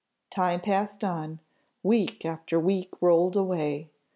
Time passed on; week after week rolled away.